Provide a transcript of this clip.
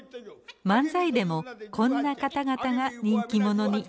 漫才でもこんな方々が人気者に。